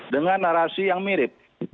dengan narasi yang mirip